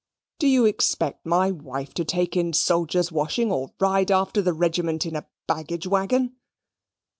Do you expect my wife to take in soldiers' washing, or ride after the regiment in a baggage waggon?"